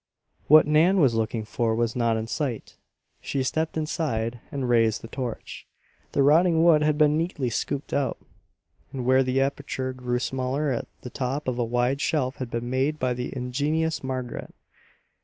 What Nan was looking for was not in sight. She stepped inside, and raised the torch. The rotting wood had been neatly scooped out, and where the aperture grew smaller at the top a wide shelf had been made by the ingenious Margaret.